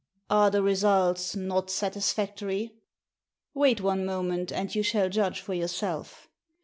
Are the results not satisfactory?" " Wait one moment and you shall judge for your self.